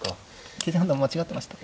形勢判断間違ってましたか。